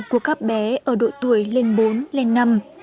của các bé ở độ tuổi lên bốn lên năm